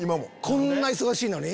こんな忙しいのに？